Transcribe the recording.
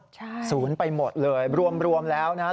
ใช่ศูนย์ไปหมดเลยรวมแล้วนะครับ